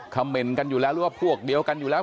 เมนต์กันอยู่แล้วหรือว่าพวกเดียวกันอยู่แล้ว